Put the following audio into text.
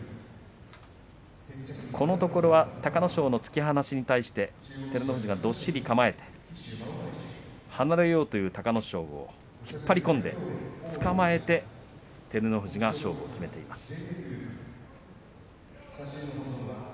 このところは隆の勝の突き放しに対して照ノ富士がどっしり構えて離れようという隆の勝を引っ張り込んで、つかまえて照ノ富士が勝負を決めています。